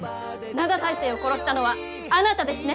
灘大聖を殺したのはあなたですね？